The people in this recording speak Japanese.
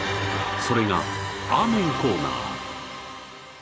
それが、アーメン・コーナー。